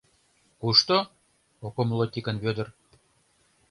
— Кушто? — ок умыло Тикын Вӧдыр.